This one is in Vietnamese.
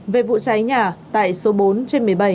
về vụ cháy nhà tại số bốn trên một mươi bảy